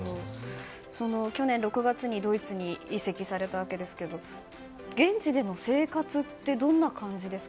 去年６月にドイツに移籍されたわけですけど現地での生活はどんな感じですか。